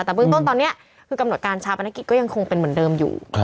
แต่เบื้องต้นตอนนี้คือกำหนดการชาปนกิจก็ยังคงเป็นเหมือนเดิมอยู่